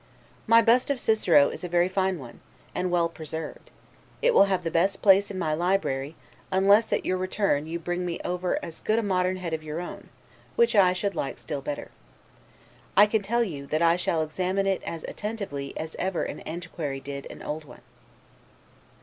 My bust of Cicero is a very fine one, and well preserved; it will have the best place in my library, unless at your return you bring me over as good a modern head of your own, which I should like still better. I can tell you, that I shall examine it as attentively as ever antiquary did an old one.